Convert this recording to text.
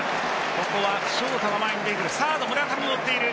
ここはショートが前に出てくる。